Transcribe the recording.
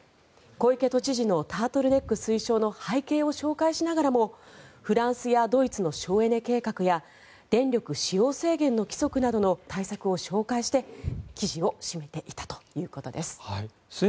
小池都知事のタートルネック推奨の背景を紹介しながらもフランスやドイツの省エネ計画や電力使用制限の規則などの対策を紹介して記事を締めていたということです。